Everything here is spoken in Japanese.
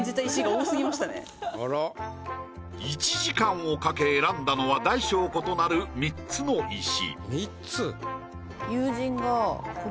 １時間をかけ選んだのは大小異なる３つの石。